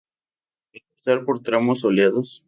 Al cruzar por tramos soleados.